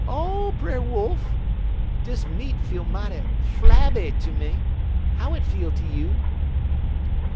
O Brer Wolf! Dis meat feel mighty flabby ter me; how it feel ter you?'